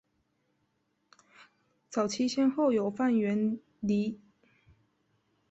早期先后有范源濂被任命校长。